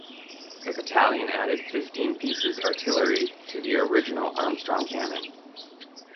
The battalion added fifteen pieces artillery to the original Armstrong cannon.